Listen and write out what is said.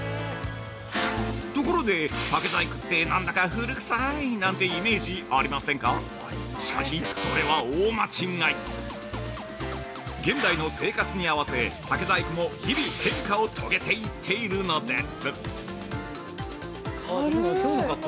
ところで竹細工って何だか古くさいというイメージありませんか現代の生活に合わせ竹細工も日々変化を遂げていっているのです。